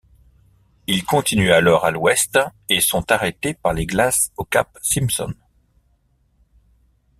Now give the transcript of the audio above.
Ils continuent alors à l'ouest et sont arrêtés par les glaces au cap Simpson.